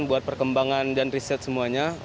buat perkembangan dan riset semuanya